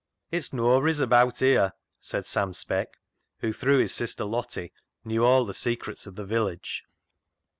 " It's noabry's abaat here," said Sam Speck, who, through his sister Lottie, knew all the secrets of the village.